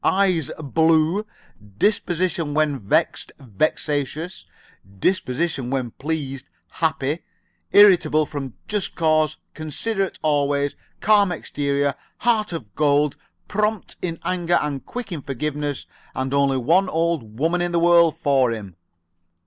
Eyes, blue; disposition when vexed, vexatious; disposition when pleased, happy; irritable from just cause; considerate always; calm exterior, heart of gold; prompt in anger and quick in forgiveness; and only one old woman in the world for him."